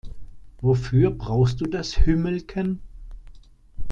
Wofür brauchst Du das Hümmelken?